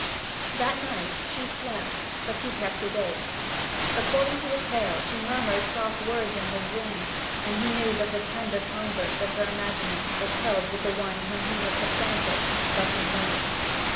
That night she slept, but he kept awake. According to the tale, she murmured soft words in her dream; and he knew that the tender converse of her imaginings was held with one whom he had supplanted but in name.